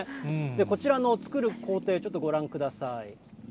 こちらの作る工程、ちょっとご覧ください。